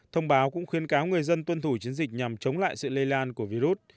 thông báo cũng khuyên cáo người dân tuân thủ chiến dịch nhằm chống lại sự lây lan của virus